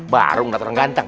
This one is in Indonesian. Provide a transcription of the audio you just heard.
baru ngeliat orang ganteng